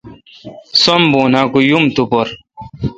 سم بونہ کہ یم تو پر۔